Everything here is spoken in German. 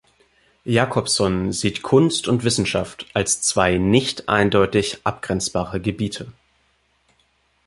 Jakobson sieht Kunst und Wissenschaft als zwei nicht eindeutig abgrenzbare Gebiete.